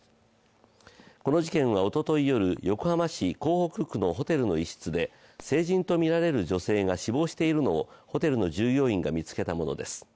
この事件はおととい夜、横浜市港北区のホテルの一室で成人とみられる女性が死亡しているのをホテルの従業員が見つけたものです。